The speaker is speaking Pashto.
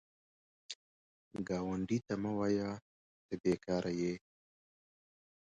ګاونډي ته مه وایه “ته بېکاره یې”